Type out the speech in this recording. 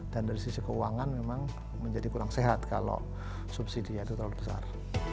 dan dari sisi keuangan memang menjadi kurang sehat kalau subsidi itu terlalu besar